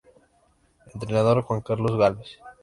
Entrenador: Juan Carlos Gálvez